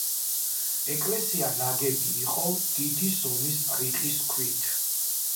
ეკლესია ნაგები იყო დიდი ზომის რიყის ქვით.